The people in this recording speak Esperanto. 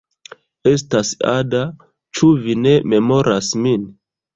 Estas Ada. Ĉu vi ne memoras min?